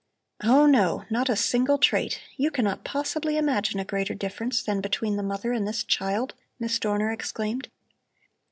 "Oh no, not a single trait! You cannot possibly imagine a greater difference than between the mother and this child," Miss Dorner exclaimed.